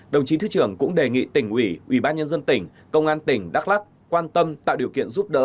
đồng chí thứ trưởng cũng đề nghị tỉnh ủy ubnd tỉnh công an tỉnh đắk lắc quan tâm tạo điều kiện giúp đỡ